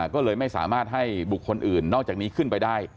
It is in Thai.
ก็เลยไม่สามารถให้บุคคลอื่นนอกจากนี้ขึ้นไปได้